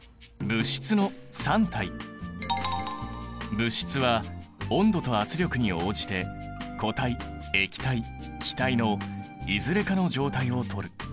物質は温度と圧力に応じて固体液体気体のいずれかの状態をとる。